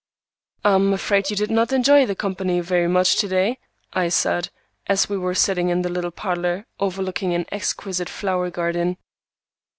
"I am afraid you did not enjoy the company very much to day," I said, as we were sitting in the little parlor, overlooking an exquisite flower garden.